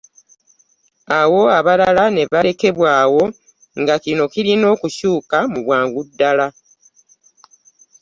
Olwo abalala ne balekebwawo nga kino kirina okukyuka mu bwangu ddala.